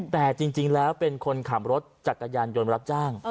แต่จริงแล้วเป็นคนขับรถจักรยานยนต์รับจ้าง